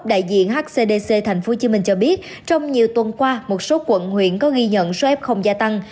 đại diện hcdc tp hcm cho biết trong nhiều tuần qua một số quận huyện có ghi nhận số f không gia tăng